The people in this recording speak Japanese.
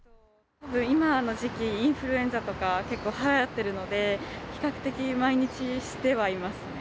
今の時期、インフルエンザとか、結構はやっているので、比較的、毎日してはいますね。